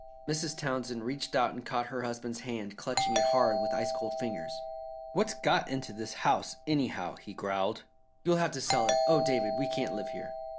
Mrs. Townsend reached out and caught her husband's hand, clutching it hard with ice cold fingers. "What's got into this house, anyhow?" he growled. "You'll have to sell it. Oh, David, we can't live here."